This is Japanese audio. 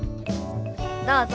どうぞ。